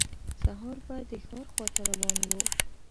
سهار به د ښار خواته روان و.